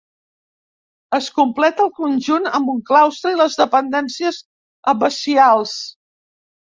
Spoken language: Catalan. Es completa el conjunt amb un claustre i les dependències abacials.